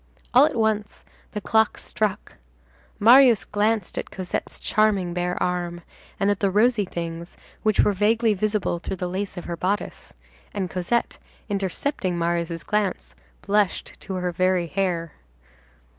All at once, the clock struck. Marius glanced at Cosette's charming bare arm, and at the rosy things which were vaguely visible through the lace of her bodice, and Cosette, intercepting Marius' glance, blushed to her very hair.